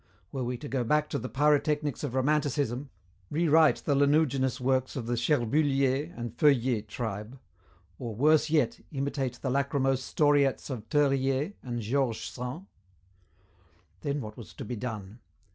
Were we to go back to the pyrotechnics of romanticism, rewrite the lanuginous works of the Cherbuliez and Feuillet tribe, or, worse yet, imitate the lachrymose storiettes of Theuriet and George Sand? Then what was to be done?